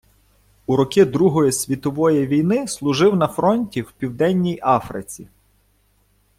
У роки Другої світової війни служив на фронті в Південній Африці.